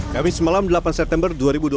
kami semalam delapan september dua ribu dua puluh dua